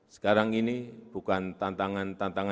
sekarang ini bukan tantangan